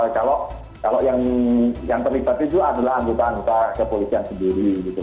kalau yang terlibat itu adalah anggota anggota kepolisian sendiri